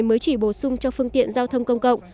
mới chỉ bổ sung cho phương tiện giao thông công cộng